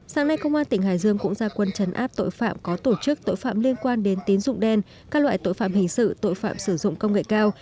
sáng nay công an tỉnh hải dương cũng ra quân chấn áp tội phạm có tổ chức tội phạm liên quan đến tín dụng đen các loại tội phạm hình sự tội phạm sử dụng công nghệ cao